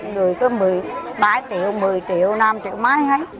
người có một mươi ba triệu một mươi triệu năm triệu máy hết